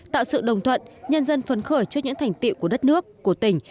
tạo sự đồng thuận nhân dân phấn khởi trước những thành tiệu của đất nước của tỉnh